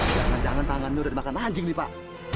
jangan jangan tangannya udah dimakan anjing nih pak